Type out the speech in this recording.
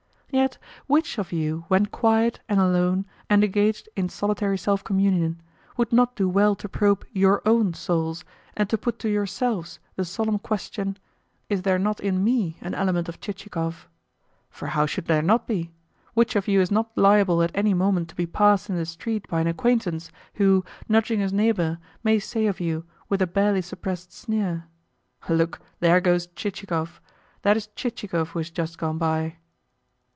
Yet which of you, when quiet, and alone, and engaged in solitary self communion, would not do well to probe YOUR OWN souls, and to put to YOURSELVES the solemn question, "Is there not in ME an element of Chichikov?" For how should there not be? Which of you is not liable at any moment to be passed in the street by an acquaintance who, nudging his neighbour, may say of you, with a barely suppressed sneer: "Look! there goes Chichikov! That is Chichikov who has just gone by!"